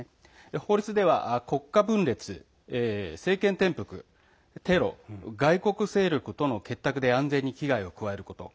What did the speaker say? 法律では国家分裂、政権転覆テロ、外国勢力との結託で安全に危害を与えること。